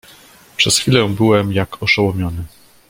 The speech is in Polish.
"Przez chwilę byłem, jak oszołomiony."